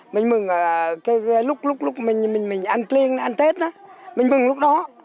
mình mừng lúc mình ăn tiên ăn tết đó mình mừng lúc đó